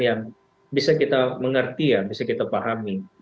yang bisa kita mengerti ya bisa kita pahami